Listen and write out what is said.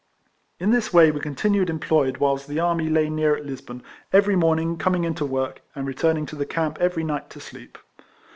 In this way we continued employed whilst the army lay near Lisbon, every morning coming in to work, and returning to the camp every night to sleep.